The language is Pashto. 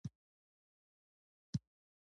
د قوې بله برخه د جسم د حرکت سبب ګرځي.